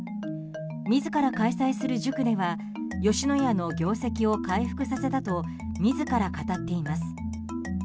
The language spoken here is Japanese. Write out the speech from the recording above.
自ら開催する塾では吉野家の業績を回復させたと自ら語っています。